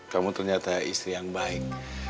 kamu ternyata istri yang baik